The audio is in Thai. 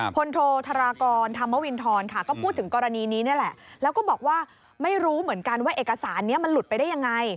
พลโทธารากรธรรมวินทรค่ะก็พูดถึงกรณีนี้นี่แหละแล้วก็บอกว่าไม่รู้เหมือนกันว่าเอกสารนี้มันหลุดไปได้ยังไง